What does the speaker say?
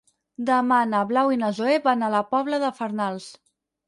Demà na Blau i na Zoè van a la Pobla de Farnals.